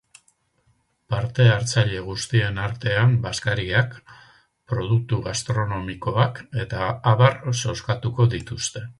Parte-hartzaile guztien artean bazkariak, produktu gastronomikoak eta abar zozkatuko dituzte.